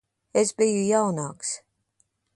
Es biju jaunāks.